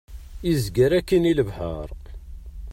Izger akkin i lebḥer.